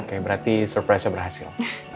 seperti surprise nya berhasil